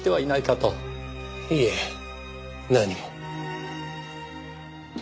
いいえ何も。